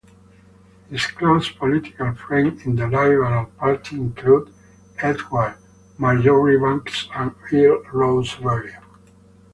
His close political friends in the Liberal party included Edward Marjoribanks and Earl Rosebery.